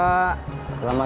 gc pake absenan baru